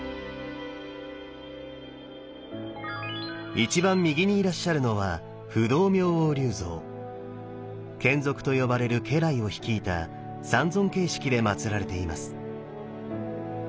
一番右にいらっしゃるのは眷属と呼ばれる家来を率いた三尊形式でまつられています。